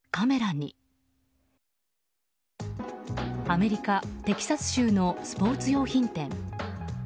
アメリカ・テキサス州のスポーツ用品店。